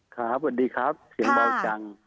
ครับสวัสดีครับเสียงเบาจัง